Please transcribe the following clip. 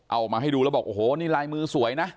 เอามาให้ดูแล้วบอกโอ้โหนี่ลายมือสวยนะ